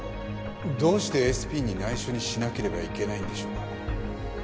どうしてＳＰに内緒にしなければいけないんでしょうか？